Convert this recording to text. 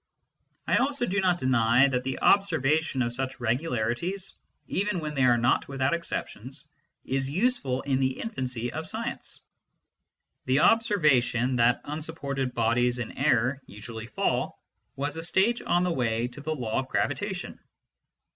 I also do not deny that the observation of such regularities, even when they are not without exceptions, is useful in the infancy of a science : the observation that unsupported bodies in air usually fall was a stage on the way to the law of gravitation.